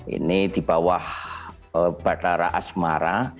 ini di bawah batara asmara